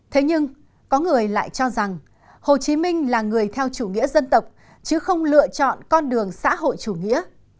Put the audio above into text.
thế nhưng có người lại cho rằng hồ chí minh là người theo chủ nghĩa dân tộc chứ không lựa chọn con đường xã hội chủ nghĩa